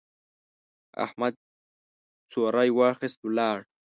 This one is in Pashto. احمد څوری واخيست، ولاړ.